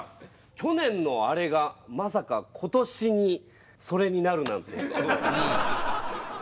去年のあれがまさか今年にそれになるなんて。